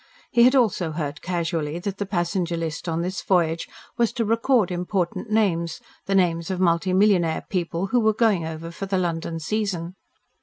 He had also heard casually that the passenger list on this voyage was to record important names, the names of multi millionaire people who were going over for the London season.